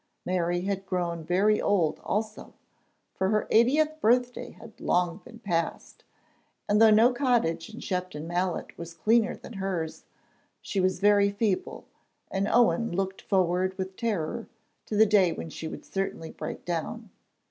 Mary had grown very old also, for her eightieth birthday had long been past, and though no cottage in Shepton Mallet was cleaner than hers, she was very feeble, and Owen looked forward with terror to the day when she would certainly break down.